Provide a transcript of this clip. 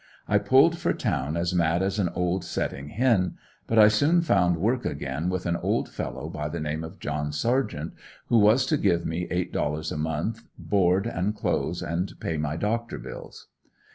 I pulled for town as mad as an old setting hen. But I soon found work again, with an old fellow by the name of John Sargent, who was to give me eight dollars a month, board and clothes and pay my doctor bills.